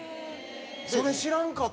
それ知らんかった。